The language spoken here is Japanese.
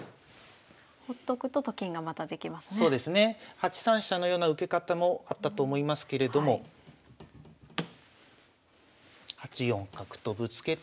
８三飛車のような受け方もあったと思いますけれども８四角とぶつけて。